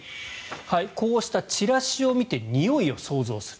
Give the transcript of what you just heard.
こうしたチラシを見てにおいを想像する。